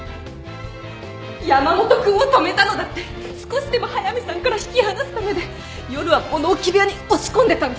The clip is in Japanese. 山本君を泊めたのだって少しでも速見さんから引き離すためで夜は物置部屋に押し込んでたんですから。